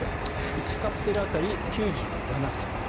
１カプセル当たり９７円。